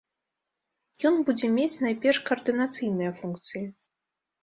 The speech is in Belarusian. Ён будзе мець найперш каардынацыйныя функцыі.